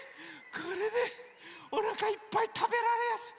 これでおなかいっぱいたべられやす！